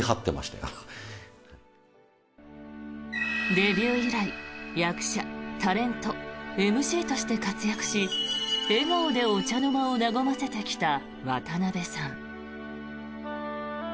デビュー以来役者、タレント、ＭＣとして活躍し笑顔でお茶の間を和ませてきた渡辺さん。